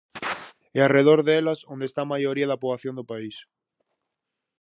É arredor delas onde está a maioría da poboación do país.